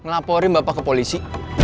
ngelaporin bapak ke polisi